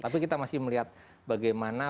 tapi kita masih melihat bagaimana